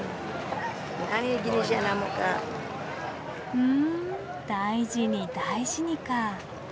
ふん大事に大事にか。